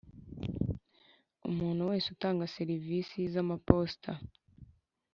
Umuntu wese utanga serivisi z amaposita